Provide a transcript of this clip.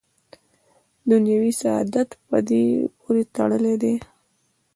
دنیوي سعادت په دې پورې تړلی دی.